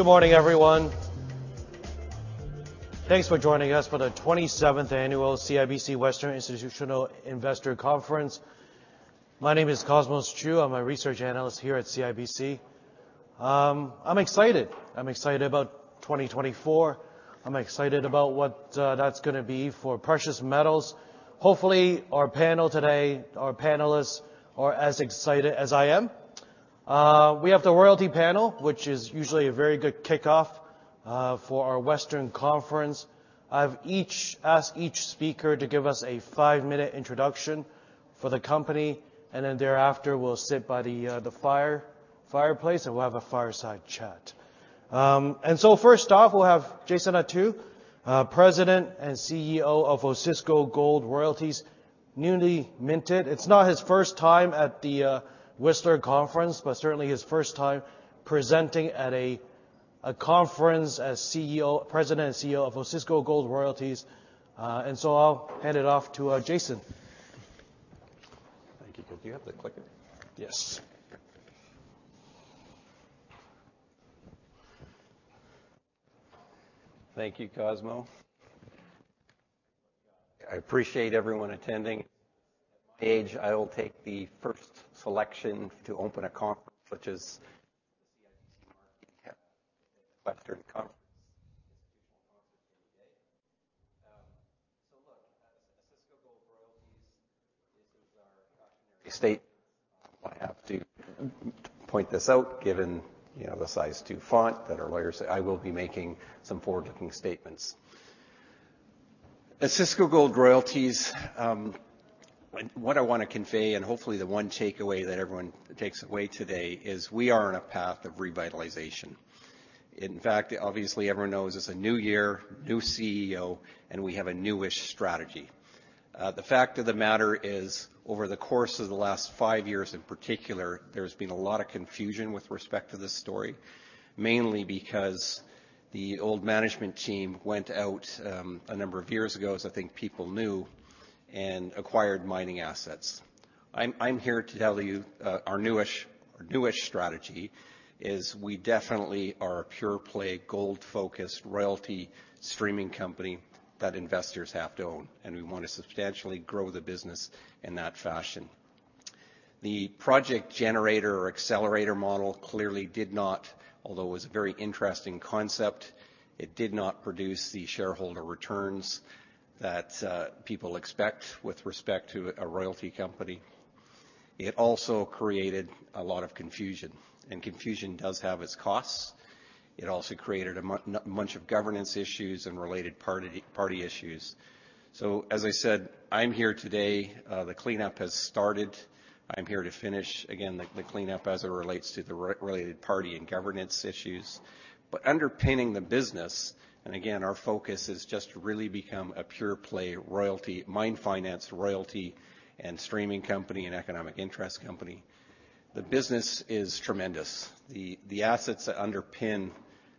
Good morning, everyone. Thanks for joining us for the 27th annual CIBC Western Institutional Investor Conference. My name is Cosmos Chiu. I'm a research analyst here at CIBC. I'm excited. I'm excited about 2024. I'm excited about what, that's gonna be for precious metals. Hopefully, our panel today, our panelists are as excited as I am. We have the royalty panel, which is usually a very good kickoff, for our Western conference. I've asked each speaker to give us a 5-minute introduction for the company, and then thereafter, we'll sit by the, the fireplace, and we'll have a fireside chat. And so first off, we'll have Jason Attew, President and CEO of Osisko Gold Royalties, newly minted. It's not his first time at the, Whistler Conference, but certainly his first time presenting at a conference as CEO...nPresident and CEO of Osisko Gold Royalties. And so I'll hand it off to Jason. Thank you. Do you have the clicker? Yes. Thank you, Cosmo. I appreciate everyone attending. At my age, I will take the first selection to open a conference, which is the CIBC Western Conference, Institutional Conference, every day. So look, as Osisko Gold Royalties, this is our cautionary statement. I have to point this out, given, you know, the size two font that our lawyers say I will be making some forward-looking statements. At Osisko Gold Royalties, what I want to convey, and hopefully the one takeaway that everyone takes away today, is we are on a path of revitalization. In fact, obviously, everyone knows it's a new year, new CEO, and we have a newish strategy. The fact of the matter is, over the course of the last five years in particular, there's been a lot of confusion with respect to this story. Mainly because the old management team went out a number of years ago, as I think people knew, and acquired mining assets. I'm here to tell you our newish strategy is we definitely are a pure-play, gold-focused, royalty streaming company that investors have to own, and we want to substantially grow the business in that fashion. The project generator or accelerator model clearly did not... although it was a very interesting concept, it did not produce the shareholder returns that people expect with respect to a royalty company. It also created a lot of confusion, and confusion does have its costs. It also created much of governance issues and related party issues. So, as I said, I'm here today, the cleanup has started. I'm here to finish the cleanup as it relates to the related party and governance issues. But underpinning the business, and again, our focus has just really become a pure play, Royalty-Mine Finance, Royalty, and Streaming company, and Economic interest company. The business is tremendous. The assets that underpin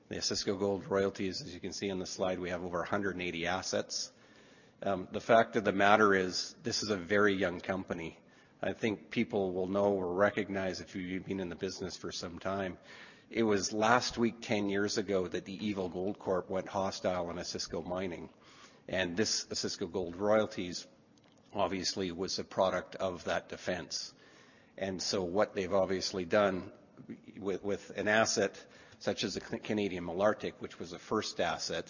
the Osisko Gold Royalties, as you can see on the slide, we have over 180 assets. The fact of the matter is, this is a very young company. I think people will know or recognize if you've been in the business for some time, it was last week, 10 years ago, that the evil Goldcorp went hostile on Osisko Mining, and this Osisko Gold Royalties, obviously was a product of that defense. And so what they've obviously done with an asset such as the Canadian Malartic, which was the first asset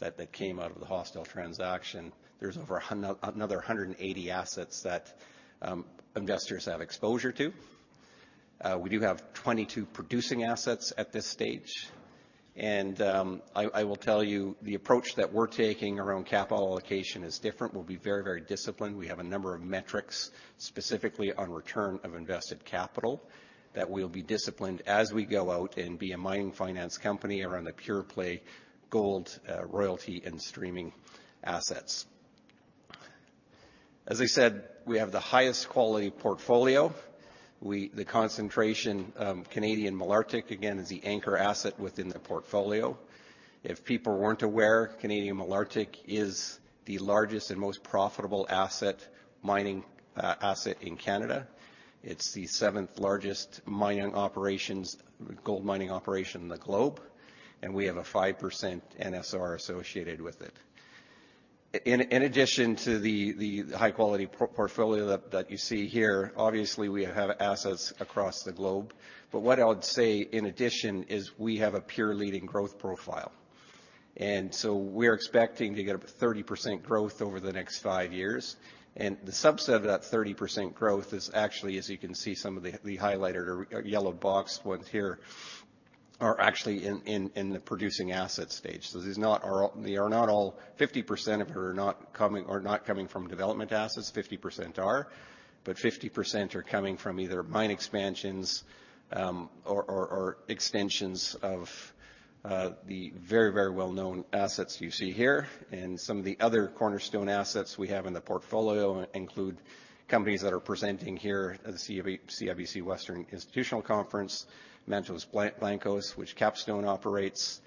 that came out of the hostile transaction, there's over another 180 assets that investors have exposure to. We do have 22 producing assets at this stage, and I will tell you, the approach that we're taking around capital allocation is different. We'll be very, very disciplined. We have a number of metrics, specifically on return of invested capital, that we'll be disciplined as we go out and be a mining finance company around a pure play, Gold Royalty and streaming assets. As I said, we have the highest quality portfolio. The concentration, Canadian Malartic, again, is the anchor asset within the portfolio. If people weren't aware, Canadian Malartic is the largest and most profitable mining asset in Canada. It's the seventh largest mining operations, gold mining operation in the globe, and we have a 5% NSR associated with it. In addition to the high-quality portfolio that you see here, obviously, we have assets across the globe. But what I would say, in addition, is we have a pure leading growth profile, and so we're expecting to get a 30% growth over the next five years. And the subset of that 30% growth is actually, as you can see, some of the highlighted or yellow boxed ones here, are actually in the producing asset stage. So these not are all- they are not all... 50% of it are not coming from development assets, 50% are, but 50% are coming from either mine expansions, or extensions of the very, very well-known assets you see here. And some of the other cornerstone assets we have in the portfolio include companies that are presenting here at the CIBC Western Institutional Conference, Mantos Blancos, which Capstone operates.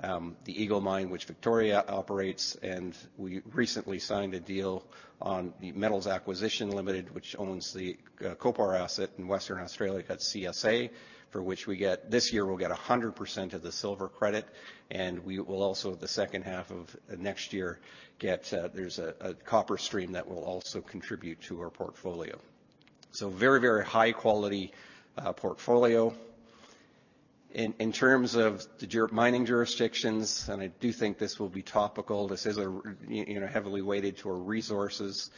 The Eagle Mine, which Victoria operates, and we recently signed a deal on the Metals Acquisition Limited, which owns the copper asset in Western Australia, called CSA, for which we get this year, we'll get 100% of the silver credit, and we will also, the second half of next year, get. There's a copper stream that will also contribute to our portfolio. So very, very high quality portfolio. In terms of the mining jurisdictions, and I do think this will be topical, this is a, you know, heavily weighted to our resources.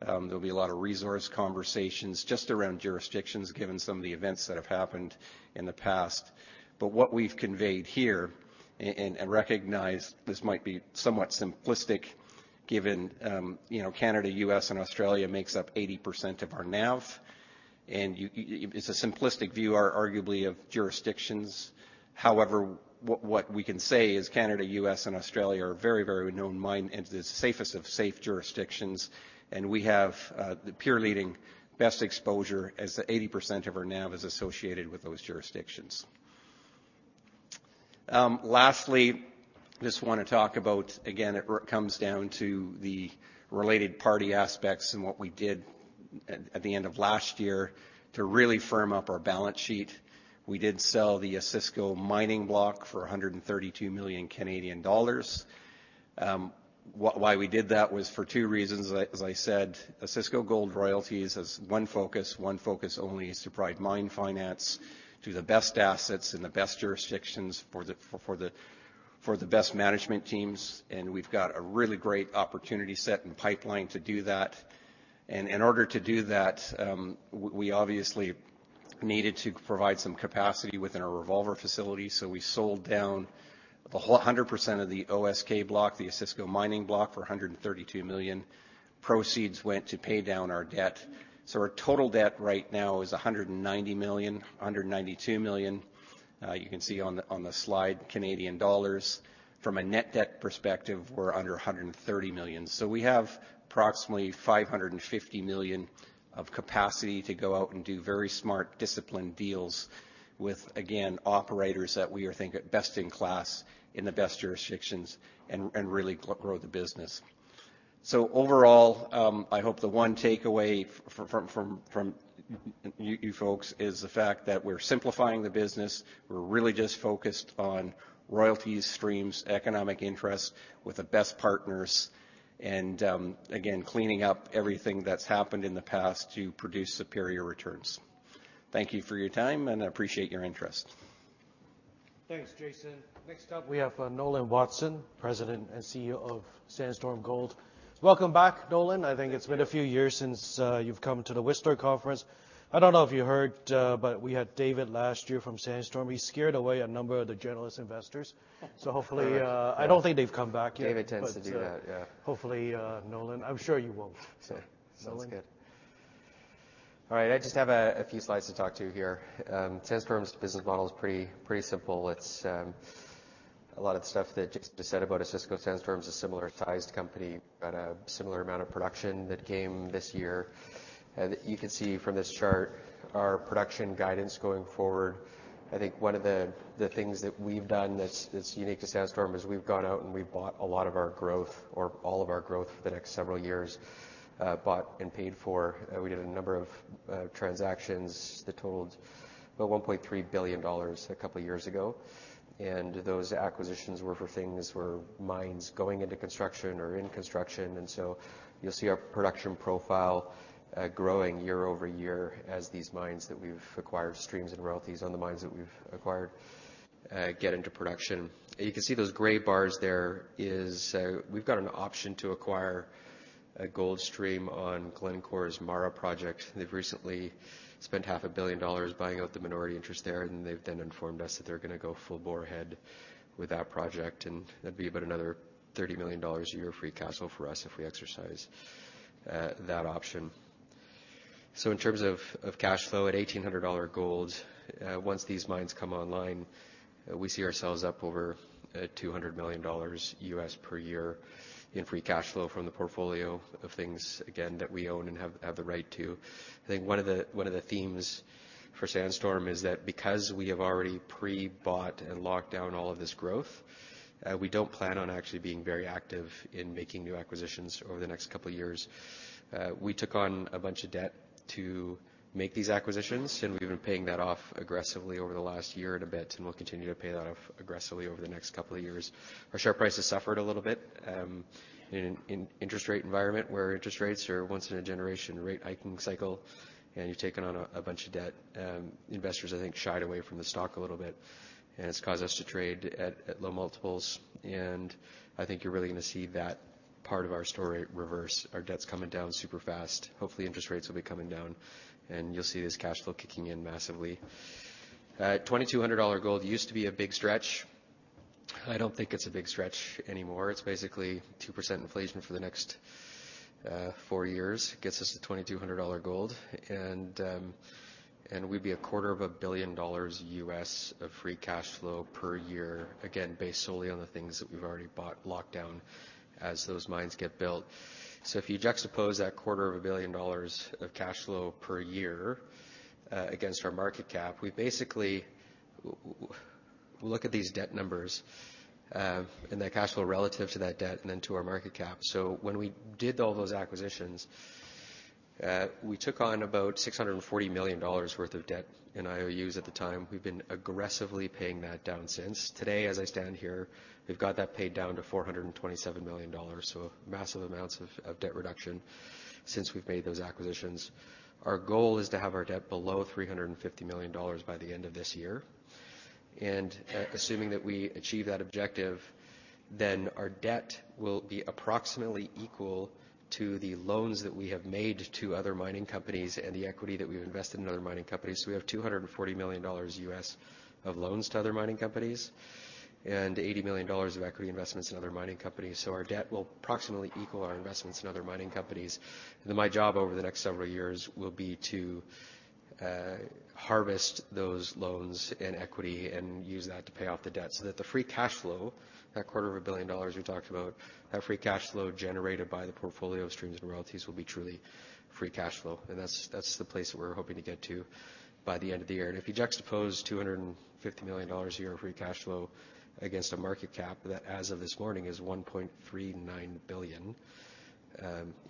There'll be a lot of resource conversations just around jurisdictions, given some of the events that have happened in the past. But what we've conveyed here, and recognized, this might be somewhat simplistic, given, you know, Canada, U.S., and Australia makes up 80% of our NAV. And it's a simplistic view, arguably, of jurisdictions. However, what we can say is Canada, U.S., and Australia are very, very well-known mining and the safest of safe jurisdictions, and we have, the peer-leading best exposure, as 80% of our NAV is associated with those jurisdictions. Lastly, just wanna talk about... Again, it comes down to the related party aspects and what we did at the end of last year to really firm up our balance sheet. We did sell the Osisko mining block for 132 million Canadian dollars. Why we did that was for two reasons. As I said, Osisko Gold Royalties has one focus, one focus only: to provide mine finance to the best assets in the best jurisdictions for the best management teams, and we've got a really great opportunity set and pipeline to do that. And in order to do that, we obviously needed to provide some capacity within our revolver facility, so we sold down the whole 100% of the OSK block, the Osisko mining block, for 132 million. Proceeds went to pay down our debt. So our total debt right now is 190 million, 192 million. You can see on the, on the slide, Canadian dollars. From a net debt perspective, we're under 130 million. So we have approximately 550 million of capacity to go out and do very smart, disciplined deals with, again, operators that we think are best in class, in the best jurisdictions, and really grow the business. So overall, I hope the one takeaway from you folks is the fact that we're simplifying the business. We're really just focused on royalties, streams, economic interests, with the best partners, and again, cleaning up everything that's happened in the past to produce superior returns. Thank you for your time, and I appreciate your interest. Thanks, Jason. Next up, we have Nolan Watson, President and CEO of Sandstorm Gold. Welcome back, Nolan. I think it's been a few years since you've come to the Whistler Conference. I don't know if you heard but we had David last year from Sandstorm. He scared away a number of the journalist investors. So hopefully... Correct. I don't think they've come back yet. David tends to do that, yeah. Hopefully, Nolan... I'm sure you won't. So, Nolan. Sounds good. All right, I just have a few slides to talk to you here. Sandstorm's business model is pretty simple. It's a lot of the stuff that just been said about Osisko. Sandstorm is a similar-sized company, got a similar amount of production that came this year. You can see from this chart, our production guidance going forward. I think one of the things that we've done that's unique to Sandstorm is, we've gone out and we've bought a lot of our growth or all of our growth for the next several years, bought and paid for. We did a number of transactions that totaled about $1.3 billion a couple years ago, and those acquisitions were for things where mines going into construction or in construction. And so you'll see our production profile, growing year over year as these mines that we've acquired, streams and royalties on the mines that we've acquired, get into production. You can see those gray bars there is, we've got an option to acquire a gold stream on Glencore's Mara project. They've recently spent $500 million buying out the minority interest there, and they've then informed us that they're gonna go full bore ahead with that project, and that'd be about another $30 million a year free cash flow for us if we exercise, that option. So in terms of, of cash flow, at $1,800 gold, once these mines come online, we see ourselves up over $200 million per year in free cash flow from the portfolio of things, again, that we own and have, have the right to. I think one of the, one of the themes for Sandstorm is that because we have already pre-bought and locked down all of this growth, we don't plan on actually being very active in making new acquisitions over the next couple of years. We took on a bunch of debt to make these acquisitions, and we've been paying that off aggressively over the last year and a bit, and we'll continue to pay that off aggressively over the next couple of years. Our share price has suffered a little bit in interest rate environment where interest rates are once in a generation rate hiking cycle, and you've taken on a bunch of debt. Investors, I think, shied away from the stock a little bit, and it's caused us to trade at low multiples, and I think you're really gonna see that part of our story reverse. Our debt's coming down super fast. Hopefully, interest rates will be coming down, and you'll see this cash flow kicking in massively. $2,200 gold used to be a big stretch. I don't think it's a big stretch anymore. It's basically 2% inflation for the next four years, gets us to $2,200 gold, and we'd be $250 million of free cash flow per year, again, based solely on the things that we've already bought, locked down as those mines get built. So if you juxtapose that $250 million of cash flow per year against our market cap, we basically look at these debt numbers, and the cash flow relative to that debt and then to our market cap. So when we did all those acquisitions, we took on about $640 million worth of debt and IOUs at the time. We've been aggressively paying that down since. Today, as I stand here, we've got that paid down to $427 million, so massive amounts of debt reduction since we've made those acquisitions. Our goal is to have our debt below $350 million by the end of this year. And, assuming that we achieve that objective, then our debt will be approximately equal to the loans that we have made to other mining companies and the equity that we've invested in other mining companies. So we have $240 million of loans to other mining companies and $80 million of equity investments in other mining companies. So our debt will approximately equal our investments in other mining companies. Then my job over the next several years will be to harvest those loans and equity and use that to pay off the debt, so that the free cash flow, that $250 million we talked about, that free cash flow generated by the portfolio of streams and royalties will be truly free cash flow, and that's, that's the place we're hoping to get to by the end of the year. And if you juxtapose $250 million a year of free cash flow against a market cap, that as of this morning is $1.39 billion,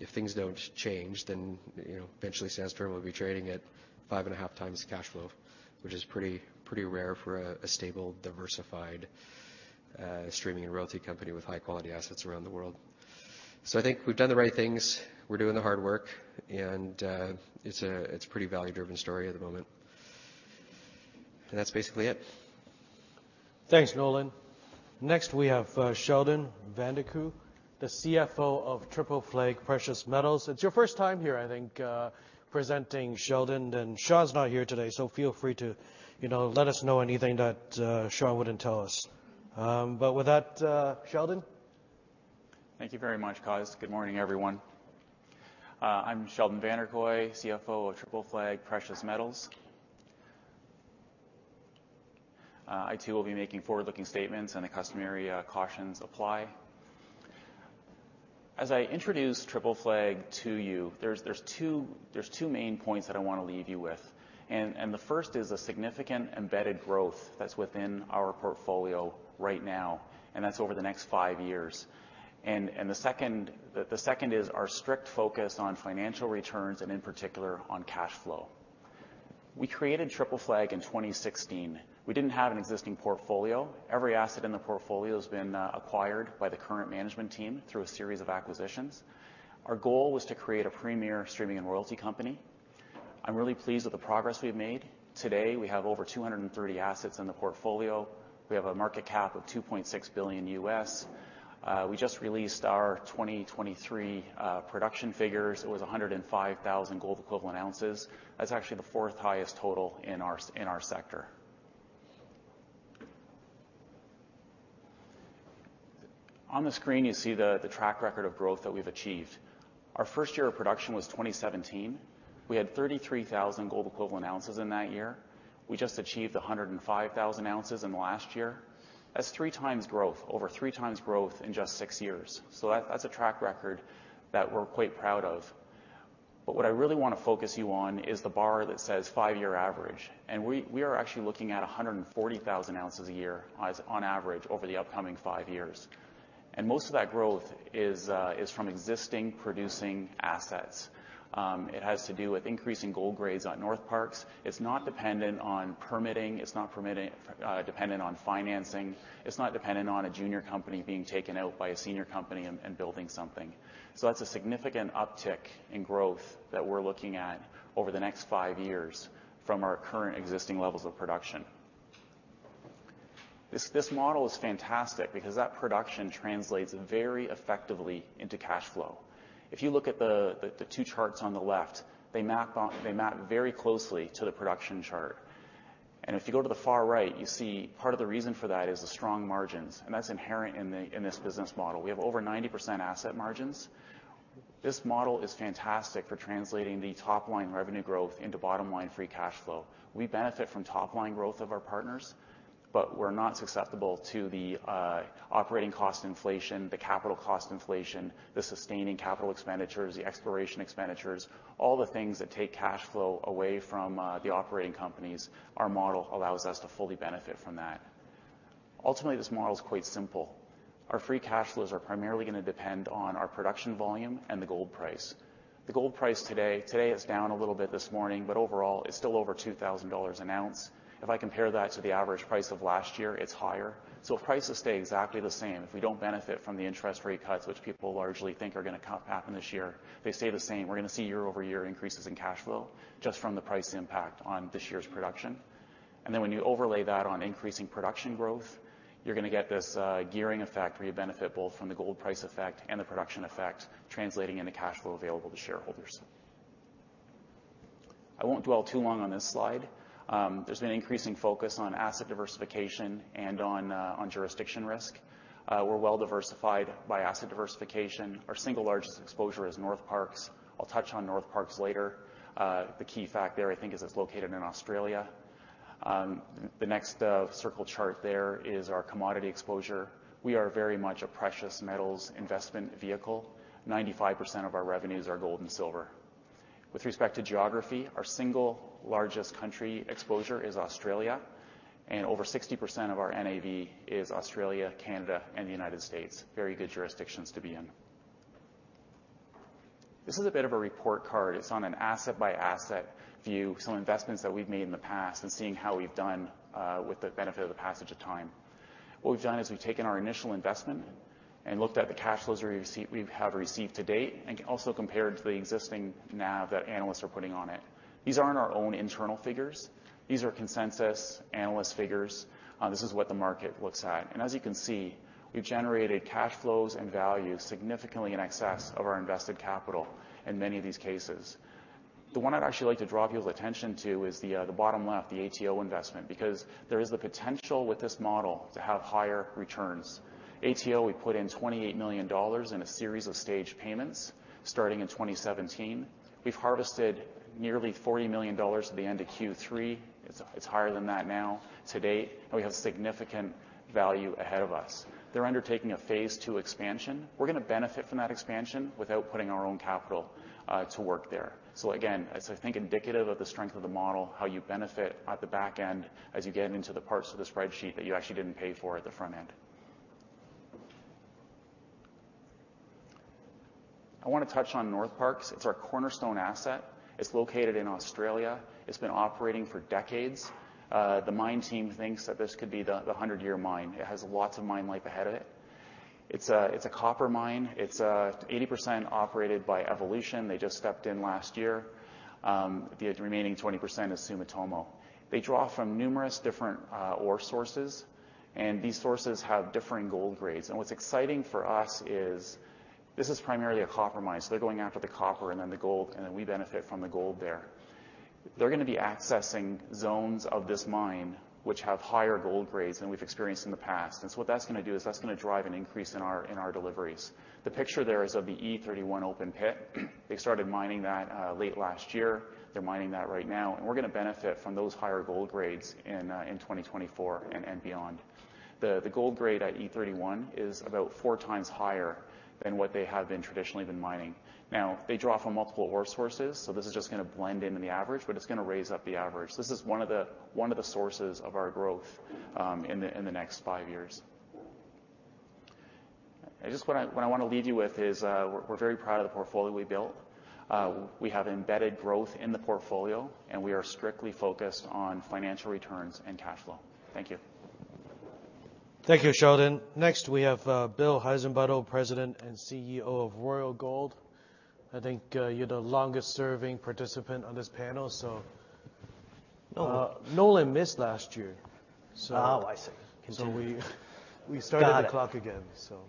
if things don't change, then, you know, eventually Sandstorm will be trading at 5.5x cash flow, which is pretty, pretty rare for a, a stable, diversified, streaming and royalty company with high-quality assets around the world. So I think we've done the right things, we're doing the hard work, and it's a pretty value-driven story at the moment. And that's basically it. Thanks, Nolan. Next, we have, Sheldon Vanderkooy, the CFO of Triple Flag Precious Metals. It's your first time here, I think, presenting Sheldon, and Shaun's not here today, so feel free to, you know, let us know anything that, Shaun wouldn't tell us. But with that, Sheldon? Thank you very much, guys. Good morning, everyone. I'm Sheldon Vanderkooy, CFO of Triple Flag Precious Metals. I too will be making forward-looking statements, and the customary cautions apply. As I introduce Triple Flag to you, there are two main points that I want to leave you with. The first is a significant embedded growth that's within our portfolio right now, and that's over the next five years. The second is our strict focus on financial returns and, in particular, on cash flow. We created Triple Flag in 2016. We didn't have an existing portfolio. Every asset in the portfolio has been acquired by the current management team through a series of acquisitions. Our goal was to create a premier streaming and royalty company. I'm really pleased with the progress we've made. Today, we have over 230 assets in the portfolio. We have a market cap of $2.6 billion. We just released our 2023 production figures. It was 105,000 gold equivalent ounces. That's actually the fourth highest total in our sector. On the screen, you see the track record of growth that we've achieved. Our first year of production was 2017. We had 33,000 gold equivalent ounces in that year. We just achieved 105,000 ounces in the last year. That's three times growth, over three times growth in just six years. So that's a track record that we're quite proud of. But what I really want to focus you on is the bar that says five-year average, and we are actually looking at 140,000 ounces a year on average over the upcoming five years. And most of that growth is from existing producing assets. It has to do with increasing gold grades on Northparkes. It's not dependent on permitting, it's not dependent on financing, it's not dependent on a junior company being taken out by a senior company and building something. So that's a significant uptick in growth that we're looking at over the next five years from our current existing levels of production. This model is fantastic because that production translates very effectively into cash flow. If you look at the two charts on the left, they map very closely to the production chart. And if you go to the far right, you see part of the reason for that is the strong margins, and that's inherent in this business model. We have over 90% asset margins. This model is fantastic for translating the top-line revenue growth into bottom-line free cash flow. We benefit from top-line growth of our partners, but we're not susceptible to the operating cost inflation, the capital cost inflation, the sustaining capital expenditures, the exploration expenditures, all the things that take cash flow away from the operating companies. Our model allows us to fully benefit from that. Ultimately, this model is quite simple. Our free cash flows are primarily going to depend on our production volume and the gold price. The gold price today, today it's down a little bit this morning, but overall, it's still over $2,000 an ounce. If I compare that to the average price of last year, it's higher. So if prices stay exactly the same, if we don't benefit from the interest rate cuts, which people largely think are gonna happen this year, they stay the same, we're gonna see year-over-year increases in cash flow just from the price impact on this year's production. And then when you overlay that on increasing production growth, you're gonna get this, gearing effect, where you benefit both from the gold price effect and the production effect, translating into cash flow available to shareholders. I won't dwell too long on this slide. There's been increasing focus on asset diversification and on, on jurisdiction risk. We're well-diversified by asset diversification. Our single largest exposure is Northparkes. I'll touch on Northparkes later. The key fact there, I think, is it's located in Australia. The next circle chart there is our commodity exposure. We are very much a precious metals investment vehicle. 95% of our revenues are gold and silver.... With respect to geography, our single largest country exposure is Australia, and over 60% of our NAV is Australia, Canada, and the United States. Very good jurisdictions to be in. This is a bit of a report card. It's on an asset-by-asset view, some investments that we've made in the past and seeing how we've done, with the benefit of the passage of time. What we've done is we've taken our initial investment and looked at the cash flows we've received, we have received to date and also compared to the existing NAV that analysts are putting on it. These aren't our own internal figures. These are consensus analyst figures. This is what the market looks at, and as you can see, we've generated cash flows and value significantly in excess of our invested capital in many of these cases. The one I'd actually like to draw people's attention to is the bottom left, the ATO investment, because there is the potential with this model to have higher returns. ATO, we put in $28 million in a series of staged payments starting in 2017. We've harvested nearly $40 million at the end of Q3. It's, it's higher than that now to date, and we have significant value ahead of us. They're undertaking a phase 2 expansion. We're gonna benefit from that expansion without putting our own capital to work there. So again, it's, I think, indicative of the strength of the model, how you benefit at the back end as you get into the parts of the spreadsheet that you actually didn't pay for at the front end. I want to touch on Northparkes. It's our cornerstone asset. It's located in Australia. It's been operating for decades. The mine team thinks that this could be the, the 100-year mine. It has lots of mine life ahead of it. It's a, it's a copper mine. It's, 80% operated by Evolution. They just stepped in last year. The remaining 20% is Sumitomo. They draw from numerous different ore sources, and these sources have differing gold grades. What's exciting for us is this is primarily a copper mine, so they're going after the copper and then the gold, and then we benefit from the gold there. They're gonna be accessing zones of this mine, which have higher gold grades than we've experienced in the past. So what that's gonna do is that's gonna drive an increase in our, in our deliveries. The picture there is of the E31 open pit. They started mining that late last year. They're mining that right now, and we're gonna benefit from those higher gold grades in 2024 and beyond. The gold grade at E31 is about four times higher than what they have been traditionally been mining. Now, they draw from multiple ore sources, so this is just gonna blend into the average, but it's gonna raise up the average. This is one of the sources of our growth in the next five years. What I want to leave you with is, we're very proud of the portfolio we built. We have embedded growth in the portfolio, and we are strictly focused on financial returns and cash flow. Thank you. Thank you, Sheldon. Next, we have Bill Heissenbuttel, President and CEO of Royal Gold. I think you're the longest-serving participant on this panel, so- Nolan. Nolan missed last year, so- Oh, I see. We started- Got it... the clock again. So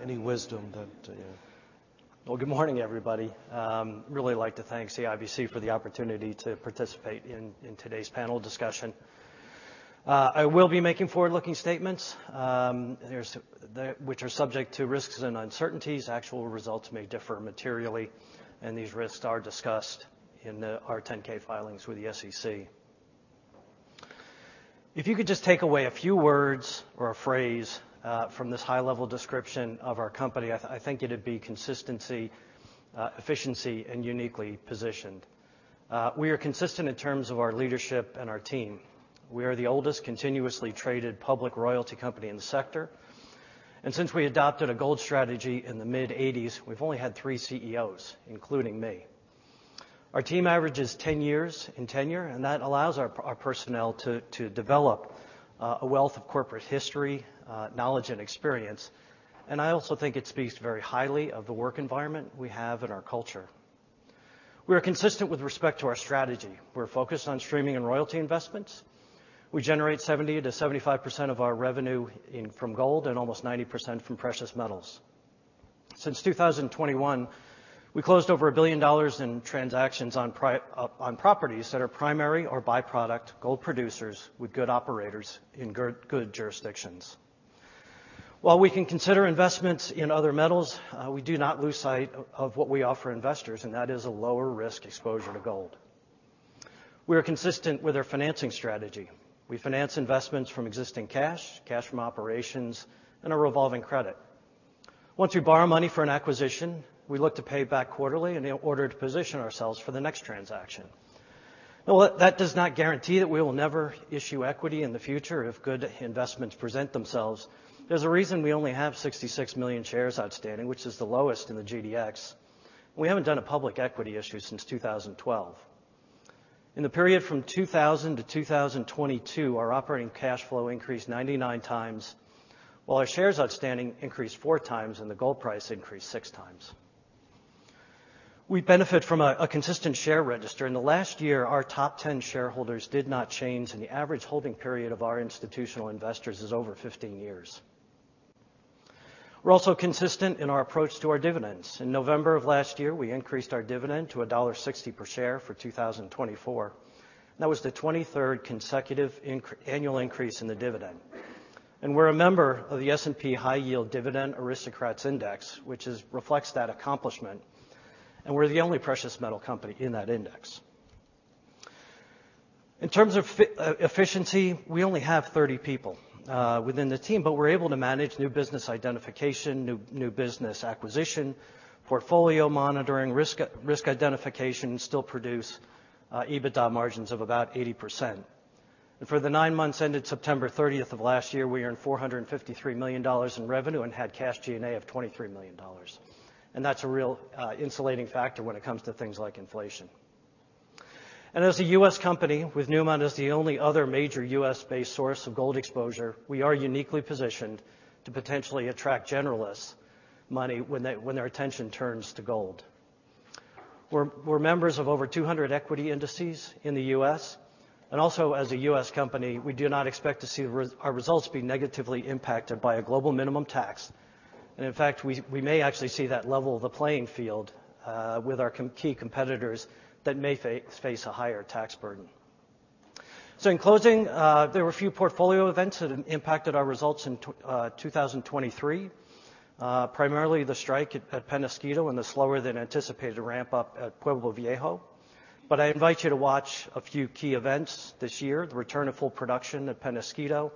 any wisdom that, Well, good morning, everybody. I really like to thank CIBC for the opportunity to participate in today's panel discussion. I will be making forward-looking statements, which are subject to risks and uncertainties. Actual results may differ materially, and these risks are discussed in our 10-K filings with the SEC. If you could just take away a few words or a phrase from this high-level description of our company, I think it'd be consistency, efficiency, and uniquely positioned. We are consistent in terms of our leadership and our team. We are the oldest continuously traded public royalty company in the sector, and since we adopted a gold strategy in the mid-1980s, we've only had three CEOs, including me. Our team averages 10 years in tenure, and that allows our personnel to develop a wealth of corporate history, knowledge and experience, and I also think it speaks very highly of the work environment we have and our culture. We are consistent with respect to our strategy. We're focused on streaming and royalty investments. We generate 70%-75% of our revenue from gold and almost 90% from precious metals. Since 2021, we closed over $1 billion in transactions on primary or by-product gold producers with good operators in good jurisdictions. While we can consider investments in other metals, we do not lose sight of what we offer investors, and that is a lower risk exposure to gold. We are consistent with our financing strategy. We finance investments from existing cash, cash from operations, and a revolving credit. Once we borrow money for an acquisition, we look to pay back quarterly in order to position ourselves for the next transaction. Well, that does not guarantee that we will never issue equity in the future if good investments present themselves. There's a reason we only have 66 million shares outstanding, which is the lowest in the GDX. We haven't done a public equity issue since 2012. In the period from 2000 to 2022, our operating cash flow increased 99x, while our shares outstanding increased 4x, and the gold price increased 6x. We benefit from a consistent share register. In the last year, our top 10 shareholders did not change, and the average holding period of our institutional investors is over 15 years. We're also consistent in our approach to our dividends. In November of last year, we increased our dividend to $1.60 per share for 2024. That was the 23rd consecutive annual increase in the dividend, and we're a member of the S&P High Yield Dividend Aristocrats Index, which reflects that accomplishment, And we're the only precious metal company in that index. In terms of efficiency, we only have 30 people within the team, but we're able to manage new business identification, new business acquisition, portfolio monitoring, risk identification, and still produce EBITDA margins of about 80%. And for the nine months ended September 30 of last year, we earned $453 million in revenue and had cash G&A of $23 million. That's a real insulating factor when it comes to things like inflation. As a U.S. company, with Newmont as the only other major U.S.-based source of gold exposure, we are uniquely positioned to potentially attract generalists' money when their attention turns to gold. We're members of over 200 equity indices in the U.S., and also, as a U.S. company, we do not expect to see our results be negatively impacted by a global minimum tax. And in fact, we may actually see that level the playing field with our key competitors that may face a higher tax burden. So in closing, there were a few portfolio events that impacted our results in 2023. Primarily the strike at Peñasquito and the slower-than-anticipated ramp-up at Pueblo Viejo. I invite you to watch a few key events this year: the return of full production at Peñasquito,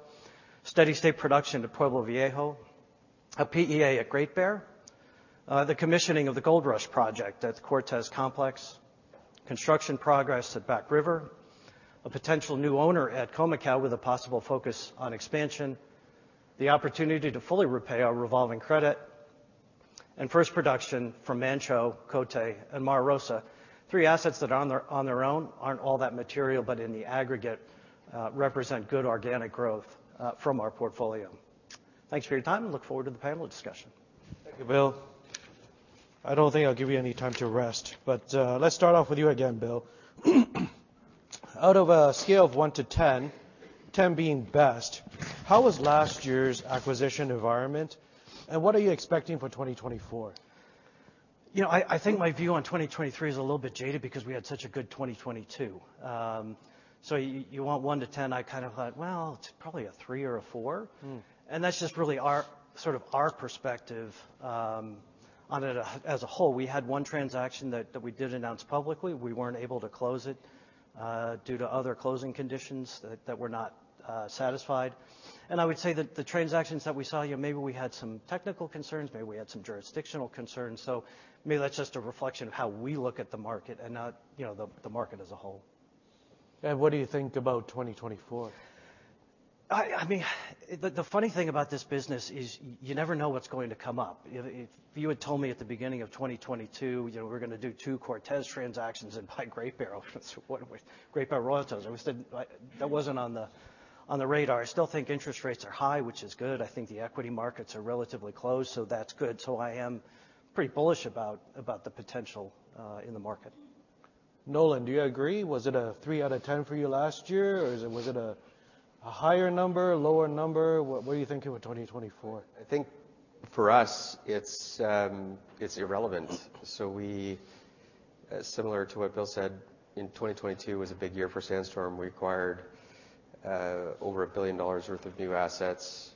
steady-state production to Pueblo Viejo, a PEA at Great Bear, the commissioning of the Goldrush project at the Cortez complex, construction progress at Back River, a potential new owner at Khoemacau with a possible focus on expansion, the opportunity to fully repay our revolving credit, and first production from Manh Choh, Coté, and Mara Rosa, three assets that on their own aren't all that material, but in the aggregate, represent good organic growth from our portfolio. Thanks for your time and look forward to the panel discussion. Thank you, Bill. I don't think I'll give you any time to rest, but, let's start off with you again, Bill. Out of a scale of 1 to 10, 10 being best, how was last year's acquisition environment, and what are you expecting for 2024? You know, I think my view on 2023 is a little bit jaded because we had such a good 2022. So you want one to 10, I kind of thought, well, it's probably a three or a four. Mm. That's just really our, sort of our perspective on it as a whole. We had one transaction that we did announce publicly. We weren't able to close it due to other closing conditions that were not satisfied. I would say that the transactions that we saw, you know, maybe we had some technical concerns, maybe we had some jurisdictional concerns. So maybe that's just a reflection of how we look at the market and not, you know, the market as a whole. What do you think about 2024? I mean, the funny thing about this business is you never know what's going to come up. If you had told me at the beginning of 2022, you know, we're gonna do 2 Cortez transactions and buy Great Bear, what are we... Great Bear Royalties, I would said, "Like, that wasn't on the radar." I still think interest rates are high, which is good. I think the equity markets are relatively closed, so that's good. So I am pretty bullish about the potential in the market. Nolan, do you agree? Was it a three out of 10 for you last year, or is it, was it a, a higher number, a lower number? What, what are you thinking with 2024? I think for us, it's irrelevant. So, similar to what Bill said, 2022 was a big year for Sandstorm. We acquired over $1 billion worth of new assets.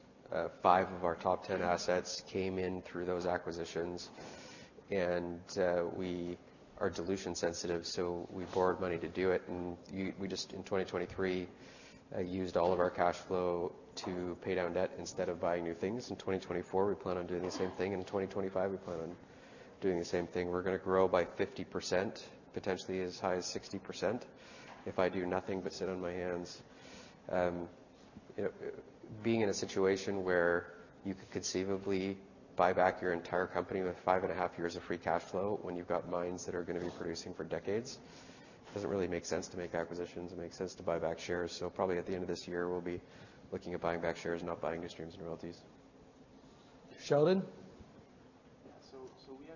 Five of our top 10 assets came in through those acquisitions, and we are dilution sensitive, so we borrowed money to do it. We just, in 2023, used all of our cash flow to pay down debt instead of buying new things. In 2024, we plan on doing the same thing. In 2025, we plan on doing the same thing. We're gonna grow by 50%, potentially as high as 60%, if I do nothing but sit on my hands. You know, being in a situation where you could conceivably buy back your entire company with 5.5 years of free cash flow, when you've got mines that are gonna be producing for decades, doesn't really make sense to make acquisitions. It makes sense to buy back shares. So probably at the end of this year, we'll be looking at buying back shares, not buying new streams and royalties. Sheldon? Yeah. So we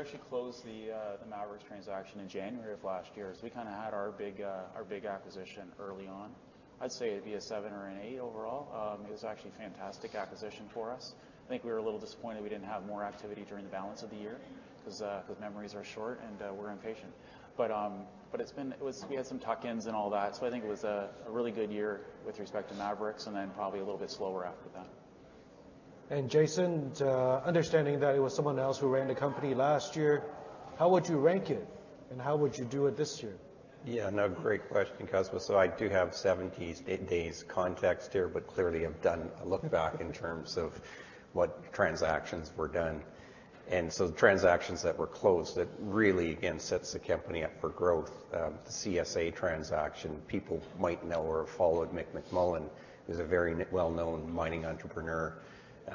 actually closed the Maverix transaction in January of last year, so we kinda had our big acquisition early on. I'd say it'd be a seven or an eight overall. It was actually a fantastic acquisition for us. I think we were a little disappointed we didn't have more activity during the balance of the year 'cause memories are short, and we're impatient. But we had some tuck-ins and all that, so I think it was a really good year with respect to Maverix and then probably a little bit slower after that. Jason, understanding that it was someone else who ran the company last year, how would you rank it, and how would you do it this year? Yeah, no, great question, Cosmos. So I do have 70 days, eight days context here, but clearly, I've done a look back in terms of what transactions were done. And so the transactions that were closed, that really, again, sets the company up for growth. The CSA transaction, people might know or have followed Mick McMullen, who's a very well-known mining entrepreneur,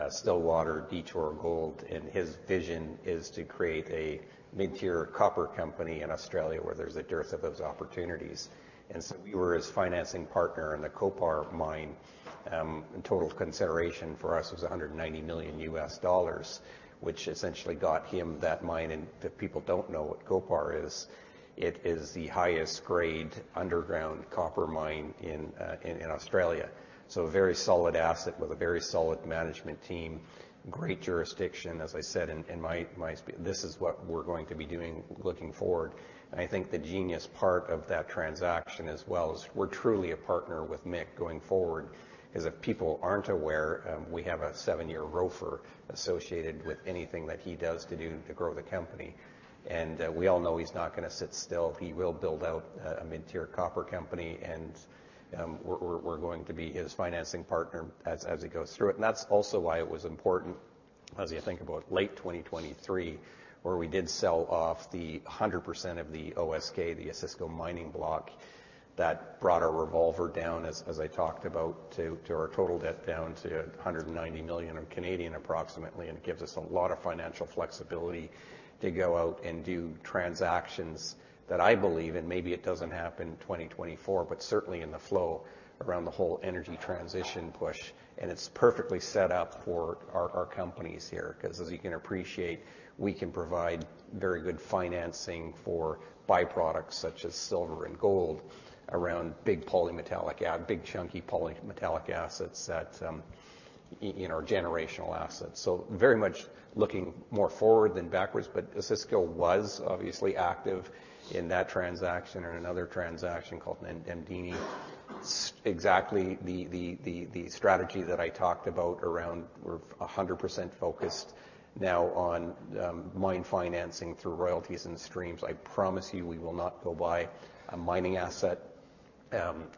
Stillwater Mining Company, Detour Gold Corporation, and his vision is to create a mid-tier copper company in Australia, where there's a dearth of those opportunities. And so we were his financing partner in the CSA Mine, and total consideration for us was $190 million, which essentially got him that mine, and if people don't know what CSA is, it is the highest grade underground copper mine in Australia. So a very solid asset with a very solid management team, great jurisdiction, as I said, this is what we're going to be doing looking forward. And I think the genius part of that transaction, as well as we're truly a partner with Mick going forward, is if people aren't aware, we have a seven-year ROFR associated with anything that he does to grow the company. And we all know he's not gonna sit still. He will build out a mid-tier copper company, and we're going to be his financing partner as he goes through it, and that's also why it was important-... As you think about late 2023, where we did sell off the 100% of the OSK, the Osisko Mining Block, that brought our revolver down, as I talked about, to our total debt down to 190 million approximately, and gives us a lot of financial flexibility to go out and do transactions that I believe, and maybe it doesn't happen in 2024, but certainly in the flow around the whole energy transition push. And it's perfectly set up for our companies here, 'cause as you can appreciate, we can provide very good financing for byproducts such as silver and gold, around big polymetallic a big chunky polymetallic assets that, you know, are generational assets. So very much looking more forward than backwards, but Osisko was obviously active in that transaction and another transaction called Namdini. So exactly the strategy that I talked about around we're 100% focused now on mine financing through royalties and streams. I promise you, we will not go buy a mining asset,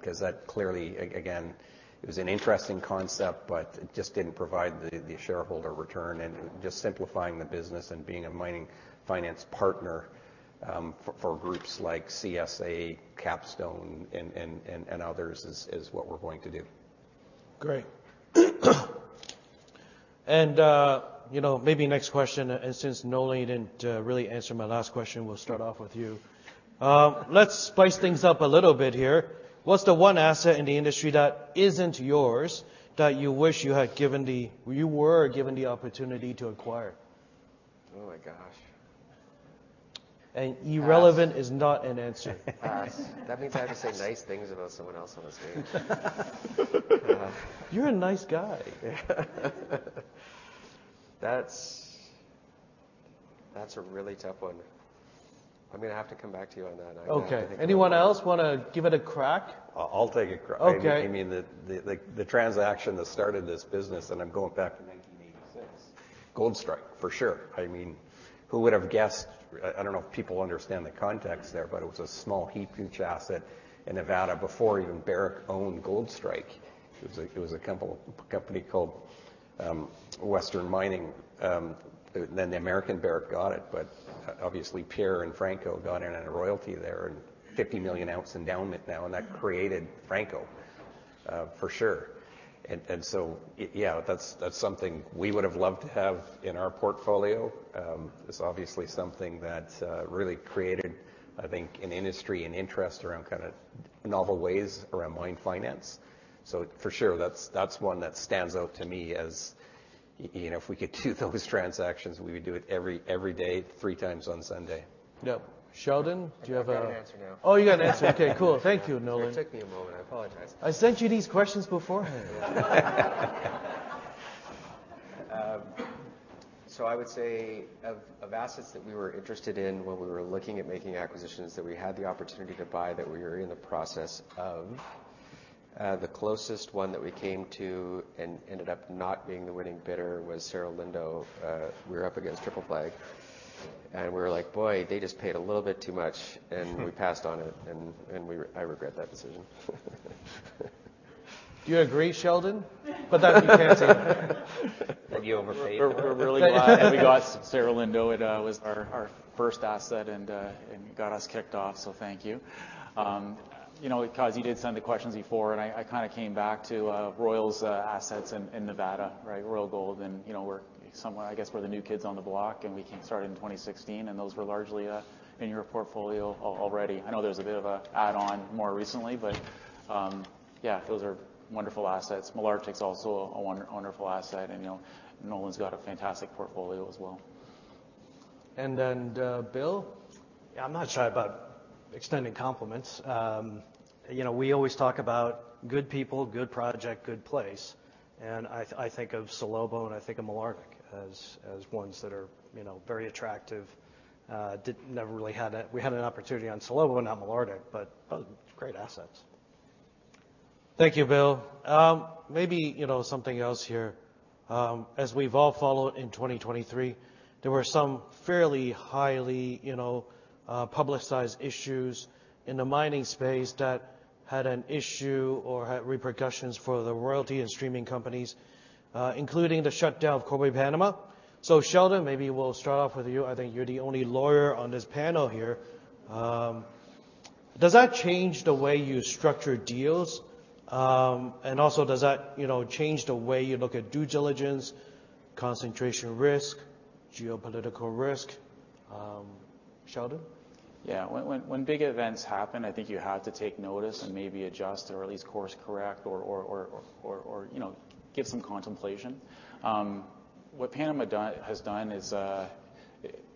'cause that clearly, again, it was an interesting concept, but it just didn't provide the shareholder return and just simplifying the business and being a mining finance partner for groups like CSA, Capstone, and others is what we're going to do. Great. And, you know, maybe next question, and since Nolan didn't really answer my last question, we'll start off with you. Let's spice things up a little bit here: What's the one asset in the industry that isn't yours, that you wish you had given the... you were given the opportunity to acquire? Oh, my gosh! And irrelevant- Pass. is not an answer. Pass. That means I have to say nice things about someone else on the stage. You're a nice guy. That's a really tough one. I'm gonna have to come back to you on that, I- Okay. Anyone else wanna give it a crack? I, I'll take a crack. Okay. I mean, the transaction that started this business, and I'm going back to 1986, Goldstrike, for sure. I mean, who would have guessed... I don't know if people understand the context there, but it was a small heap leach asset in Nevada before even Barrick owned Goldstrike. It was a couple, a company called Western Mining. Then the American Barrick got it, but obviously, Pierre and Franco got in on a royalty there, and 50 million ounce endowment now, and that created Franco, for sure. And so yeah, that's something we would have loved to have in our portfolio. It's obviously something that really created, I think, an industry and interest around kinda novel ways around mine finance. So for sure, that's, that's one that stands out to me as, you know, if we could do those transactions, we would do it every, every day, three times on Sunday. Yep. Sheldon, do you have a- I've got an answer now. Oh, you got an answer. Okay, cool. Thank you, Nolan. It took me a moment. I apologize. I sent you these questions beforehand. So I would say of, of assets that we were interested in when we were looking at making acquisitions, that we had the opportunity to buy, that we were in the process of, the closest one that we came to and ended up not being the winning bidder was Cerro Lindo. We were up against Triple Flag, and we were like: "Boy, they just paid a little bit too much," and we passed on it, and, and we... I regret that decision. Do you agree, Sheldon? But that you can't say. That you overpaid? We're really glad that we got Cerro Lindo. It was our first asset and got us kicked off, so thank you. You know, because you did send the questions before, and I kinda came back to Royal's assets in Nevada, right? Royal Gold, and, you know, we're somewhat. I guess we're the new kids on the block, and we came starting in 2016, and those were largely in your portfolio already. I know there's a bit of an add-on more recently, but, yeah, those are wonderful assets. Malartic's also a wonderful asset, and, you know, Nolan's got a fantastic portfolio as well. And then, Bill? Yeah, I'm not shy about extending compliments. You know, we always talk about good people, good project, good place, and I think of Salobo, and I think of Malartic as ones that are, you know, very attractive. We had an opportunity on Salobo, not Malartic, but both great assets. Thank you, Bill. Maybe, you know, something else here. As we've all followed in 2023, there were some fairly, highly, you know, publicized issues in the mining space that had an issue or had repercussions for the royalty and streaming companies, including the shutdown of Cobre Panama. So, Sheldon, maybe we'll start off with you. I think you're the only lawyer on this panel here. Does that change the way you structure deals? And also, does that, you know, change the way you look at due diligence, concentration risk, geopolitical risk, Sheldon? Yeah, when big events happen, I think you have to take notice and maybe adjust or at least course-correct, you know, give some contemplation. What Panama has done is,